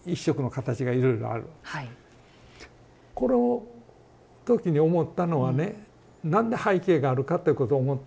この時に思ったのはね何で背景があるかっていうことを思ったんですね。